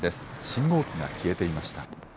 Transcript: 信号機が消えていました。